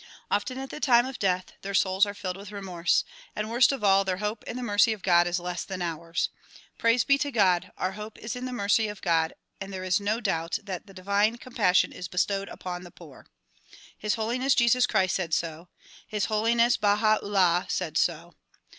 Often at the time of death their souls are filled with remorse, and worst of all, their hope in the mercy of God is less than ours. Praise be to God! our hope is in the mercy of God and there is no doubt DISCOURSES DELIVERED IN NEW YORK 31 that the divine compassion is bestowed upon the poor. His Holi ness Jesus Christ said so; His Holiness Baha 'Ullah said so.